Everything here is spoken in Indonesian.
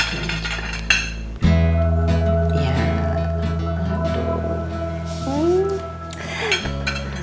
udah pinter ya pak